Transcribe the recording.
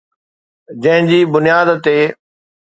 جنهن جي بنياد تي